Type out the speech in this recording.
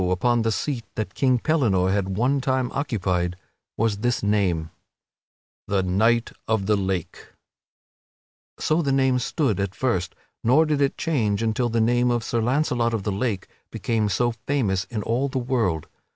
upon the seat that King Pellinore had one time occupied was this name: THE KNIGHT OF THE LAKE So the name stood at first, nor did it change until the name of Sir Launcelot of the Lake became so famous in all the world.